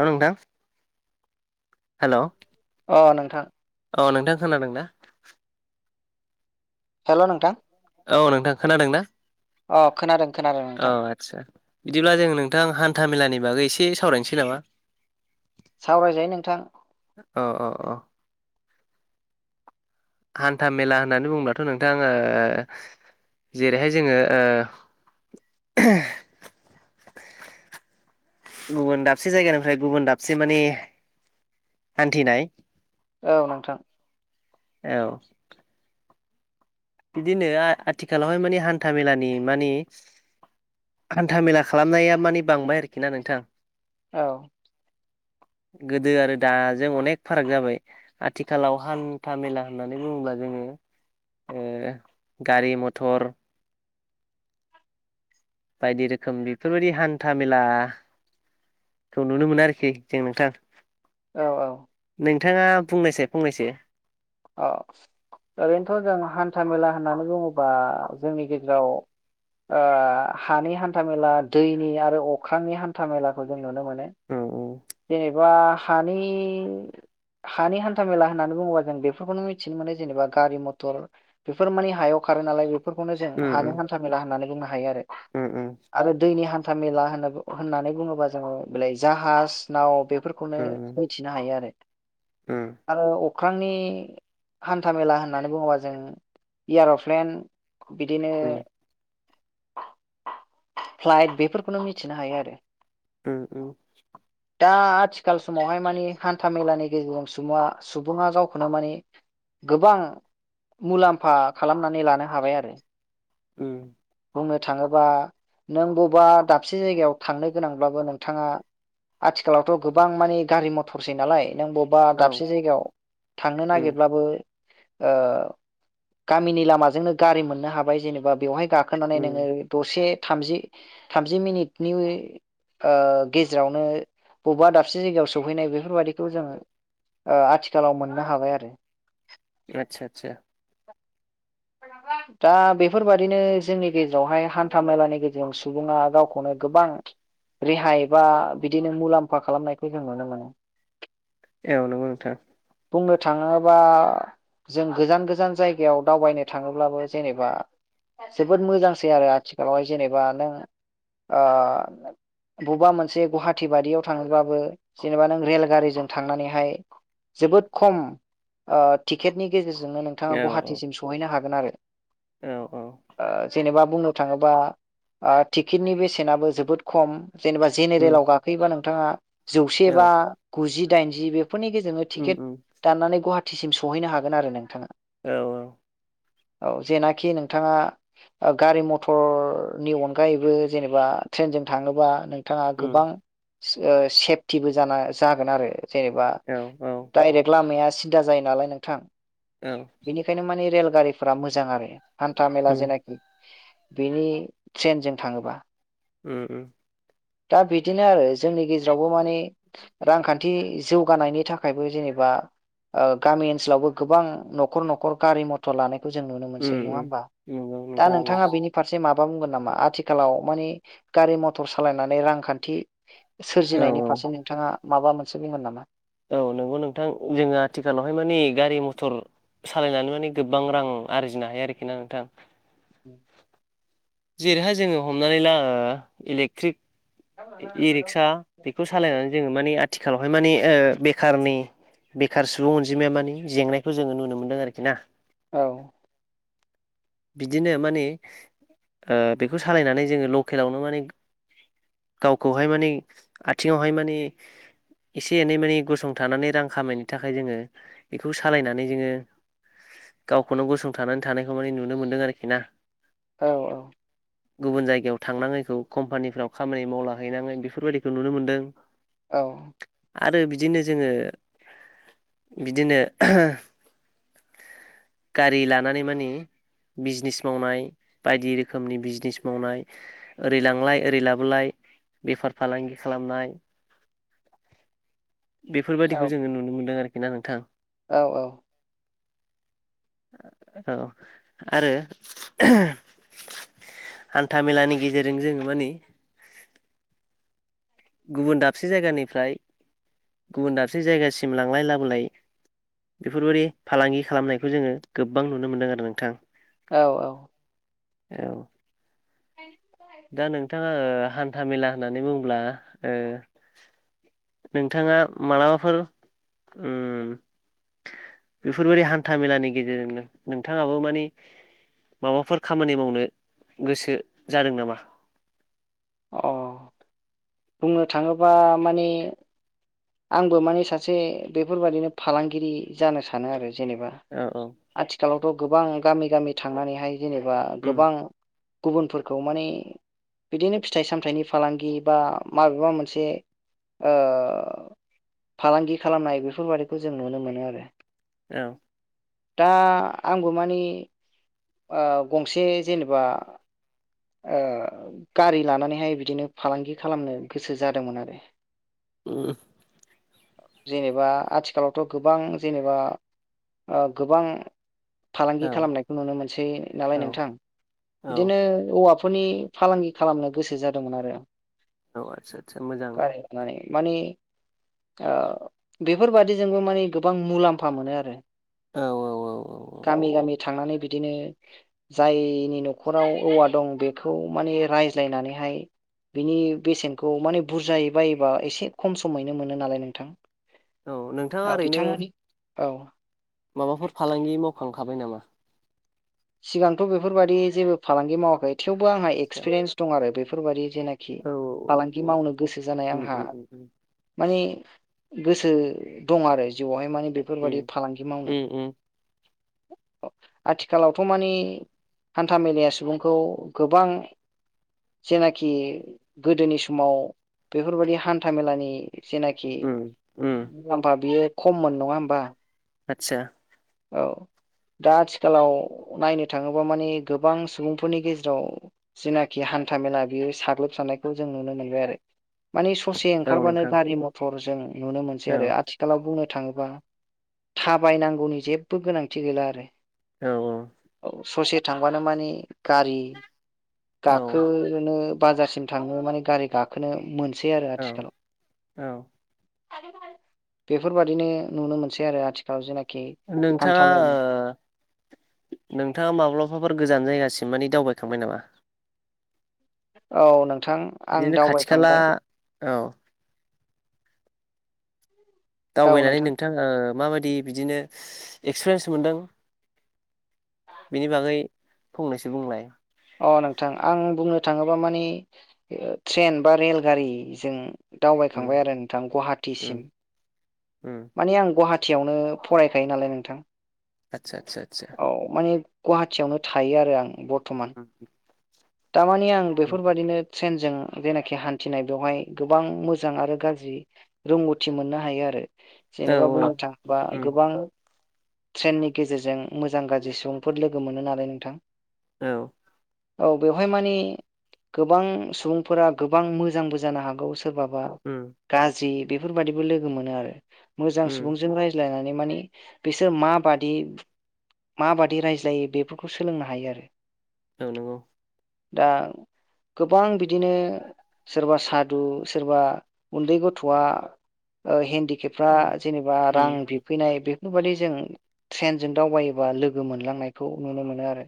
हेल' नोंथां । हेल' । अ नोंथां । अ नोंथां खोनादों ना? हेल' नोंथां । औ नोंथां खोनादों ना? अ खोनादों खोनादों औ नोंथां आदसा बिदिब्ला जों नोंथां हान्था मेलानि बागै एसे सावरायनोसै नामा? सावरायजायो नोंथां । अ अ अ हान्था मेला होननानै बुंबाथ' नोंथां ओ जेरैहाय जोङोओ गुबुन दाबसे जायगानिफ्राय गुबुन दाबसे मानि हान्थिनाय औ नोंथां । औ । बिदिनो आ-आथिखालावहाय माने हान्था मेलानि माने हान्थामेला खालामनाया माने बांबाय आरोखिना नोंथां । औ गोदो आरो दाजों अनेक फाराग जाबाय आथिखालाव हान्था मेला होननानै बुङोब्ला जोङो ओ गारि मटर बायदि रोखोम बेफोरबायदि हान्था मेला खौ नुनो मोनो आरोखि जों नोंथां । औ औ । नोंथाङा बुंनायसाय फंनैसो । अ । ओरैनोथ' जों हान्था मेला होननानै बुङोबा जोंनि गेजेराव ओ हानि हान्थामेला, दैनि आरो अख्रांनि हान्था मेलाखौ जों नुनो मोनो । उम जेनेबा हानि हानि हान्था मेला होननानै बुङोबा जों बेफोरखौनो मिथिनो मोनो जेनेबा गारि मटर बेफोर माने हायाव खारो नालाय बेफोरखौनो जों उम हानि उम हान्था मेला होननानै बुंनो हायो आरो उम उम आरो दैनि हा न्था मेला होनना बु होननानै बुङोबा जों जाहाज, नाव बे फोरखौनो उम मिथिनो हायो आरो, उम आरो अख्रांनि हान्थामेला होननानै बुङोबा जों एयार'प्लेन बिदिनो उम प्लाइट बेफोरखौनो मिथिनो हायो आरो उम उम। दा आथिखाल समावहाय माने हान्था मेलानि गेजेरजों सुबङा सुबुङा गावखौनो माने गोबां मुलाम्फा खालामनानै लानो हाबाय आरो। उम। बुंनो थाङोबा नों बबा दाबसे जायगायाव थांनो गोनांब्लाबो नोंथाङा आथिखालावथ' गोबां माने गारि मटरसै नालाय। नों बबा औ दाबसे जायगायाव थांनो उम नागिरब्लाबो ओ गामिनि लामाजोंनो गारि मोननो हाबाय जेनेबा बेवहाय गा गाखोनानै नोङो उम दसे थामजि थामजि मिनिटनि ओ गेजेरावनो बबेबा दाबसे जायगायाव सहैनाय बेफोरबादिखौ जों - ओ आथिखालाव मोननो हाबाय आरो। आतसा आतसा। [inaudible] दा बेफोरबादिनो जोंनि गेजेरावहाय हान्था मेलानि गेजेरजों सुबुङा गावखौनो गोबां रेहाय बा बिदिनो मुलाम्फा खालामनायखौ जों नुनो मोनो। औ नंगौ नोंथां। बुंनो थाङोबा जों गोजान गोजान जायगायाव दावबायनो थाङोब्लाबो जेनेबा जोबोद मोजांसै आरो आथिखालावहाय जेनेबा नों आ बबेबा मोनसे गुवाहाटि बायियाव थांनोबाबो जेनेबा नों रेलगारिजों थांनानैहाय जोबोद खम आ टिकेटनि गेजेरजों जोङो नोंथाङा औ औ गुहाटीसिम सौहैनो हागोन आरो। औ औ ओ जेनेबा बुंनो थाङोबा आ टिकेटनि बेसेनाबो जोबोद खम जेनेबा उम जेनेरेलाव गाखोयोबा नों नोंथाङा जौसे औ बा गुजि, दाइनजि बेफोरनि गेजेरजोंनो उम टिकेट उम दाननानै गहाटी टिसिम सहैनो हागोन आरो नोंथाङा औ औ। औ जेनाखि नोंथाङा गारि मथरनि अनगायैबो जेनेबा ट्रेनजों थाङोबा नोंथाङा गोबां उम ओ से सेफटिबो जाना जागोन आरो‌ जेनेबा औ औ डायरेक्ट लामाया सिदा जायो नालाय नोंथां। उम बेनिखायनो माने रेलगारिफोरा मोजां आरो हान्था मेला उम जेनाखि बेनि ट्रेनजों थाङोबा ओ ओ। दा बिदिनो आरो जोंनि गेजेरावबो माने रांखान्थि जौगानायनि थाखायबो जेनेबा ओ गामि ओनसोलावबो गोबां न'खर न'खर गारि मथर लानायखौ जों नुनो मोनसै उम नङा उम होमबा नंगौ दा नोंथां नंगौ नोंथाङा बेनि फारसे माब बा बुंगोन नामा आथिखालाव मानि गारि मथर सालायनानै रांखान्थि औ सोरजिनायनि औ फारसे नोंथाङा माबा मोनसे बुंगोन नामा? औ नंगौ नोंथां जोङो आथिखालावहाय मानि गारि मथर सालायनानै माने गोबां रां आरजिनो हायो आरोखि ना नोंथां। उ [unintelligible] जेरैहाय जोङो हमनानै ला इलेक्ट्रिक इ रिक्सा बेखौ सालायनानै जोङो मानि आथिखालावहाय मानि ओ बेखारनि बेखार सुबुं अनजिमाया मानि जेंनायखौ जोङो नुनो मोन्दों आरोखि ना। औ। बिदिनो माने ओ बेखौ सालायनानै जोङो लकेलावनो माने गावखौहाय माने आथिङावहाय माने एसे एनै माने गसंथानानै रां खामायनो थाखाय जोङो बेखौ सालायनानै जोङो गावखौनो गसंथानानै थानायखौ माने नुनो मोनदों आरोखि ना। औ औ गुबुन जायगायाव थांनाङैखौ कम्पानिफ्राव खामानि मावला हैनाङै बेफोरबायदिखौ नुनो मोनदों। औ आरो बिदिनो जोङो बिदिनो गारि लानानै मानि बिजनेस मावनाय बायदि रोखोमनि बिजनेस मावनाय ओरै लांलाय ओरै लाबोलाय बेफार फालांगि खालामनाय बेफोरबायदिखौ जोङो नुनो मोन्दों आरोखि ना नोंथां। औ औ औ आरो हान्था मेलानि गेजेरजों जोङो माने गुबुन दाबसे जायगानिफ्राय गुबुन दाबसे जायगासिम लांलाय लाबोलाय बेफोरबायदि फालांगि खालामनायखौ जोङो गोबां नुनो मोनदों आरो नोंथां औ औ औ [unintelligible] दा नोंथाङा ओ हान्था मेला होननानै बुंङोब्ला ओ ओ‌नोंथाङा मालाबाफोर ओ बेफोरबायदि हान्था मेलानि गेजेरजोंनो नोंथाङाबो मानि माबाफोर खामानि मावनो गोसो जादों नामा? अ बुंनो थाङोबा माने आंबो माने सासे बेफोरबादिनो फालांगिरि जानो सानो आरो जेनेबा औ औ आथिखालावथ गोबां गामि गामि थांनानैहाय जेनेबा उम गोबां गुबुनफोरखौ माने बिदिनो फिथाइ सामथाइनि फालांगि बा माबेबा मोनसे ओ फालांगि खालामनाय बेफोरबादिखौ जों नुनो मोनो आरो औ दा आंबो माने ओ गंसे जेनेबा ओ गारि लानानैहाय बिदिनो फालांगि खालामनो गोसो जादोंमोन आरो उम जेनेबा आथिखालावथ गोबां जेनेबा ओ गोबां फालांगि औ खालामनायखौ नुनो मोनसै नालाय औ नोंथां औ बिदिनो हौवाफोरनि फालांगि खालामनो गोसो जादोंमोन आरो । औ आतसा आतसा मोजां । माने ओ बेफोर बादिजोंबो माने गोबां मुलाम्फा मोनो आरो । औ औ औ गामि गामि थांनानै बिदिनो जायनि नखराव औवा दं बेखौ माने रायज्लाय नानै हाय बिनि बेसेनखौ माने बुरजायै बायोबा एसे खम समैनो मोनो नालाय नोंथां औ नोंथाङा ओरैनो बिथांमोननि औ माबाफोर फालांगि मावखांखाबाय नामा? सिगांथ बेफोर बायाददि जेबो फालांगि मावाखै थेवबो आंहा आदसा एक्सपिरियेन्स दं आरो बेफोर बायदि जेनाखि औ फालांगि औ मावनो गोसो जानाय उम आंहा उम उम उम माने गोसो दं आरो जिउआवहाय माने बेफोर बायदि उम फालांगि उम उम मावनो आथिखाल आथिखालावथ माने हान्था मेलाया सुबुंखौ गोबां जेनाखि गोदोनि समाव बेफोर बायदि हान्था मेलानि जेनाखि उम उम मुलाम्फा बियो खममोन नङा होमबा आतसा औ दा आथिखालाव नायनो थाङोबा माने गोबां सुबुंफोरनि गेजेराव जिनाखि हा हान्था मेला बेयो साग्लोब सारनायखौ जों नुनो मोनबाय आरो माने ससे औ ओंखारबानो नोंथां गारि मथर जों नुनो औ मोनसै आरो आथिखालाव बुंनो थाङोबा थाबायनांगौनि जेबो गोनांथि गैला आरो औ ससे थांबानो माने गारि औ गाखोनो बाजारसिम थाङो मोनसै आरो औ आथिखालाव औ बेफोर बादिनो नुनो मोनसै आरो आथिखालाव जेनाखि नोंथांङा हान्था ओ मेला नोंथांङा माब्लाबाफोर गोजान जायगा सिम माने दावबायखांबाय नामा औ नोंथां आं बिदिनो खाथि खाला दावबायखांबाय औ औ दावबायनानै नोंथां नोंथा ओ माबायदि बिदिनो एक्सपिरियेन्स मोनदों बेनि बागै फंनैसो बुंलाय अ नोंथां आं बुंनो थाङोबा माने ट्रेन बा रेलगारिजों उम दावबायखांबाय आरो नोंथां गुवाहाटि उम सिम उम माने आं गुवाहाटियावनो फरायखायो नालाय नोंथां आतसा आतसा आतसा औ माने गुवाहाटियावनो थायो आरो आं बर्थमान थार माने आं बेफोर बायदिनो ट्रेनजों जेनाखि हान्थिनाय बेवहाय गोबां मोजां आरो गाज्रि रोंगौथि मोननो हायो आरो औ जेनेबा बुंनो थाङोबा उम गोबां ट्रेननि गेजेरजों मोजां गाज्रि सुबुंफोर लोगो मोनो नालाय नोंथां औ औ बेवहाय माने गोबां सुबुंफोरा गोबां मोजांबो जानो हागौ सोरबाबा उम गाज्रि बेफोर बादिबो लोगो मोनो आरो मोजां उम सुबुंजों रायज्लायनानै माने बिसोर मा बादि माबादि रायज्लायो बेफोरखौ सोलोंनो हायो आरो औ नंगौ। दा गोबां बिदिनो सोरबा सादु सोरबा उन्दै गथ'आ हेन्डिकेपफ्रा उम जेनेबा रां उम बिफैनाय बे बेफोर बादि जों ट्रेनजों दावबायोबा लोगो मोनलांनायखौ नुनो मोनो आरो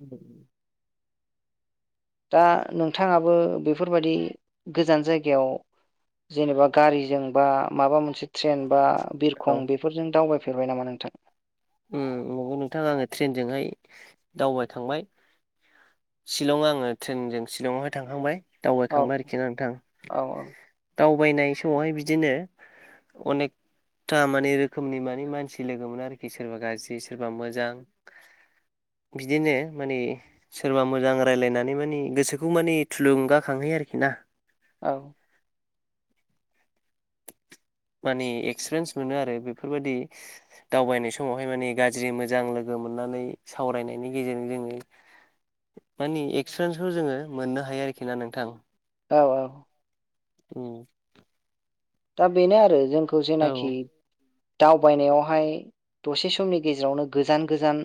दा नोंथाङाबो बेफोरबायदि गोजान जायगायाव जेनेबा गारिजों बा माबा मोनसे ट्रेन बा औ बिरखं बेफोरजों दावबायफेरबाय नामा नोंथां। नंगौ नोंथाङा आङो ट्रेनजोंहाय दावबाय खांबाय। शिलं आङो ट्रेनजों शलंआवहाय थांखांबाय औ दावबायखांबाय आरोखि नोंथां औ दावबायनाय समावहाय बिदिनो अनेकथा मानि रोखोमनि मानि मानसि लोगोन आरोखि सोरबा गाज्रि सोरबा मोजां बिदिनो माने सोरबा मोजां रायजलायनानै माने गोसोखौ माने थुलुंगाखांहोयो आरोखि ना। औ। [inaudible] मानि एक्सपिरियेन्स मोनो आरो बेफोरबायदि दावबायनाय समावहाय माने गाज्रि मोजां लोगो मोननानै सावरायनायनि गेजेरजों जोङो मानि एक्सपिरियेन्सखौ जोङो मोननो हायो आरोखि ना नोंथां। औ औ। उम दा बेनो आरो जोंखौ औ जेनाखि दावबायनायावहाय दसे समनि गेजेरावनो गोजान गोजान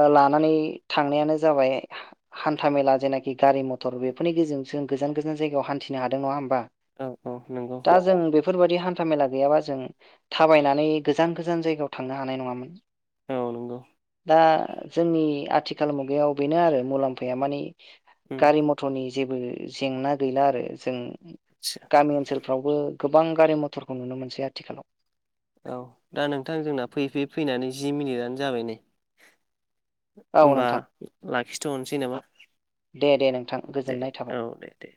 ओ लानानै थांनायानो जाबाय हान्थाामेला जेनाखि गारि मथर बेफोरनि गेजों जों गोजान गोजान जायगायाव हान्थिनो हादों नङा होमबा? औ औ नंगौ। दा जों बेफोरबायाददि हान्था मेला गैयाबा जों थाबायनानै गोजान गोजान जायगायाव थांनो हानाय नङामोन। औ नंगौ। दा जोंनि आथिखाल मुगायाव बेनो आरो मुलाम्फाया मानि उम गारि मथरनि जेबो जेंना गैला आरो जों आदसा गामि ओनसोल बो गोबां गारि मथरखौ नुनो मोनसै आथिखालाव। औ दा नोंथां जोंना फैयै फैयै फैनानै जि मिनिटआनो जाबाय नै। औ होमबा नोंथां लाखिथ'नसै नामा? दे दे नोंथां दे गोजोननाय थाबाय। औ दे दे